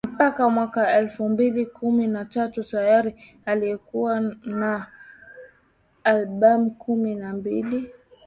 Mpaka mwaka elfu mbili kumi na tatu tayari alikuwa na albamu kumi na mbili